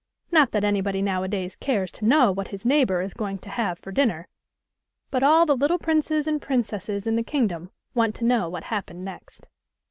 Not that anybody nowadays cares to know what his neighbour is going to have for dinner, but all the little princes and prin cesses in the kingdom want to know what happened next.